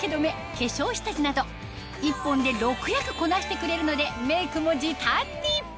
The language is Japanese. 化粧下地など１本で６役こなしてくれるのでメイクも時短に！